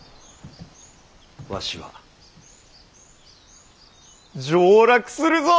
わしは上洛するぞ！